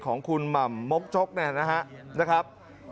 ของคุณหม่ำมบจกนี่อน่ะฮะนะครับ